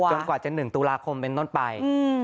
กว่าจะ๑ตุลาคมเป็นต้นไป